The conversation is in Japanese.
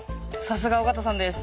さすが尾形さんです。